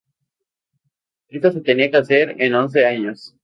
Esta se tenía que hacer en once años.